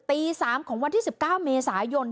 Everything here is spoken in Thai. ตี๓ของวันที่๑๙เมษายน